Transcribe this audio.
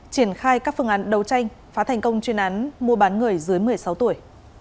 triển khai các phương án đấu tranh phá thành công chuyên án mua bán người dưới một mươi sáu tuổi